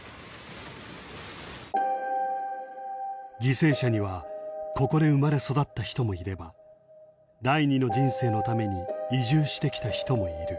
犠牲者にはここで生まれ育った人もいれば第二の人生のために移住してきた人もいる。